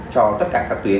cho tất cả các tuyến